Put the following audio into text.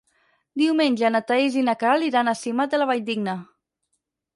Diumenge na Thaís i na Queralt iran a Simat de la Valldigna.